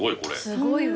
すごいわ。